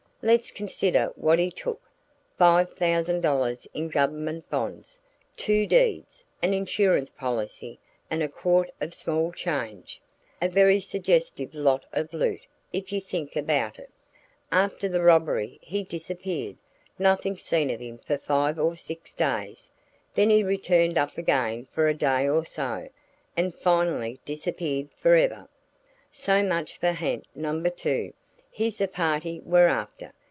Let's consider what he took five thousand dollars in government bonds, two deeds, an insurance policy, and a quart of small change a very suggestive lot of loot if you think about it enough. After the robbery he disappeared, nothing seen of him for five or six days; then he turned up again for a day or so, and finally disappeared forever. So much for ha'nt number two. He's the party we're after.